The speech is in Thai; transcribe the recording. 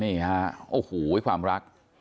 เนี่ยโอ้โห้ความรัก